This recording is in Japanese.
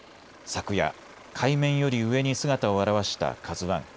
昨夜、海面より上に姿を現わしたＫＡＺＵＩ。